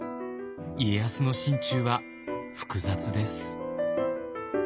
家康の心中は複雑です。